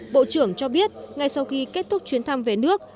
bộ trưởng cho biết ngay sau khi kết thúc chuyến thăm về nước